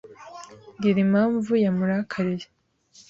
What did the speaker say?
Mbwira impamvu yamurakariye.